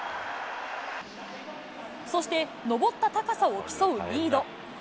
そして登った高さを競うリード。